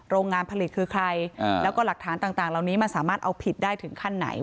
โรงงานผลิตคือใครแล้วก็หลักฐานต่างเหล่านี้มันสามารถเอาผิดได้ถึงขั้นไหน